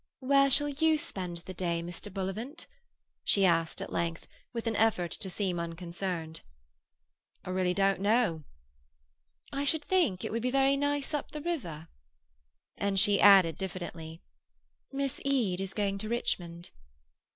"Where shall you spend the day, Mr. Bullivant?" she asked at length, with an effort to seem unconcerned. "I really don't know." "I should think it would be very nice up the river." And she added diffidently, "Miss Eade is going to Richmond."